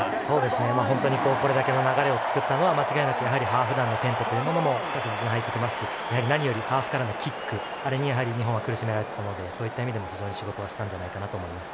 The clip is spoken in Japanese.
本当にこれだけの流れを作ったのは間違いなくハーフ団のテンポも確実に入ってきますし何よりハーフからのキックに日本は苦しめられていたのでそういった意味でも仕事はしたんじゃないかなと思います。